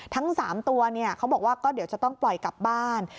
ทั้ง๓ตัวเขาบอกว่าก็เดี๋ยวจะต้องปล่อยกลับบ้าน